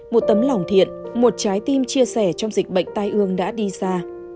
một tấm lòng thiện một trái tim chia sẻ trong dịch bệnh tai ương đã đi xa